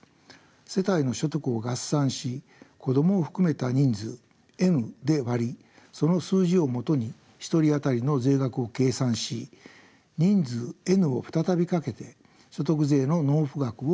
世帯の所得を合算し子どもを含めた人数「Ｎ」で割りその数字をもとに１人あたりの税額を計算し人数「Ｎ」を再びかけて所得税の納付額を算出する税制です。